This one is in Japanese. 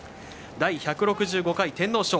第１６５回天皇賞。